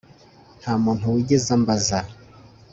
Nta muntu wigeze ambaza